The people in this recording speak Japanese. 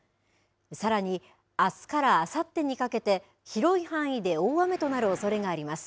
さらにあすからあさってにかけて広い範囲で大雨となるおそれがあります。